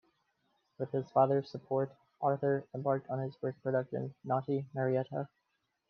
With his father's support, Arthur embarked on his first production, "Naughty Marietta".